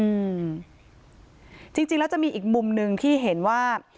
อืมจริงจริงแล้วจะมีอีกมุมหนึ่งที่เห็นว่า